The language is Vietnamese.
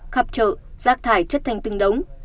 khắp chợ rác thải chất thành tưng đống